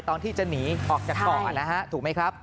ตอนที่จะหนีออกจากเกาะนะฮะถูกไหมครับ